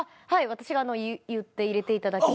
私が言って入れていただきました。